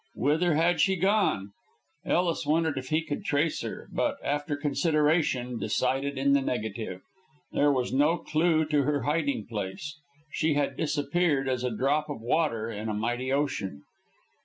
Whither had she gone? Ellis wondered if he could trace her, but, after consideration, decided in the negative. There was no clue to her hiding place. She had disappeared as a drop of water in a mighty ocean.